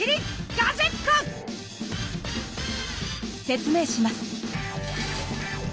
説明します。